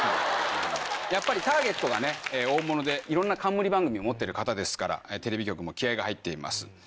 やっぱりターゲットが大物でいろんな冠番組を持ってる方ですからテレビ局も気合が入っています。